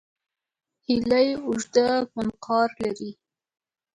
هیلۍ اوږده منقار لري